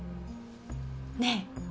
ねえ。